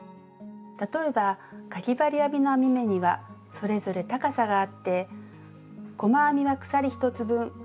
例えばかぎ針編みの編み目にはそれぞれ高さがあって細編みは鎖１つ分。